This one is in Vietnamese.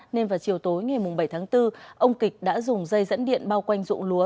nên vào chiều tối ngày bảy tháng bốn ông kịch đã dùng dây dẫn điện bao quanh dụng lúa